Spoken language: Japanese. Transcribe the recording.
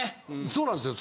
そうなんですよ。